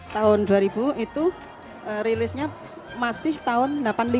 tahun dua ribu itu rilisnya masih tahun seribu sembilan ratus delapan puluh lima